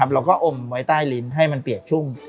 อมไว้ใต้ลิ้นให้มันเปียกชุ่ม